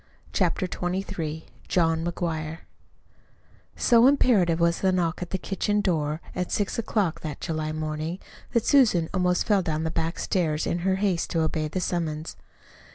CHAPTER XXIII JOHN McGUIRE So imperative was the knock at the kitchen door at six o'clock that July morning that Susan almost fell down the back stairs in her haste to obey the summons.